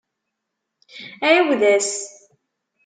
Ɛiwed-as.